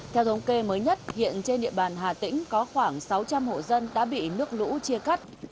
theo thống kê mới nhất hiện trên địa bàn hà tĩnh có khoảng sáu trăm linh hộ dân đã bị nước lũ chia cắt